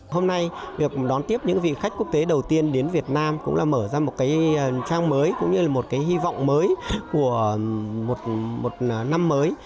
hôm nay việc đón tiếp những vị khách quốc tế đầu tiên đến việt nam cũng là mở ra một cái trang mới cũng như là một cái hy vọng mới của một năm mới